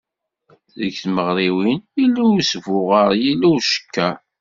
Deg tmeɣriwin, yella usbuɣer yella ucekker.